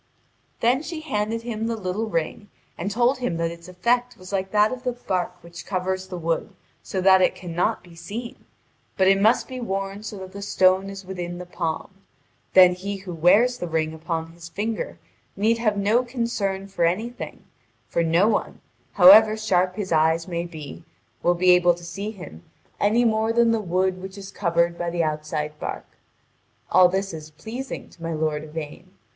Then she handed him the little ring and told him that its effect was like that of the bark which covers the wood so that it cannot be seen; but it must be worn so that the stone is within the palm; then he who wears the ring upon his finger need have no concern for anything; for no one, however sharp his eyes may be, will be able to see him any more than the wood which is covered by the outside bark. All this is pleasing to my lord Yvain.